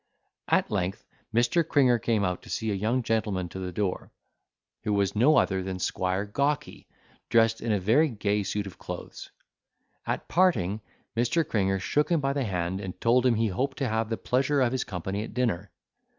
At length, Mr. Cringer came out to see a young gentleman to the door, who was no other than Squire Gawky, dressed in a very gay suit of clothes; at parting Mr. Cringer shook him by the hand and told him he hoped to have the pleasure of his company at dinner.